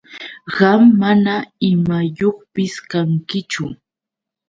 Qam mana imayuqpis kankichu.